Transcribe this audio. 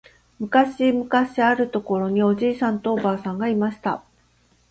むかしむかしあるところにおじいさんとおばあさんがいました。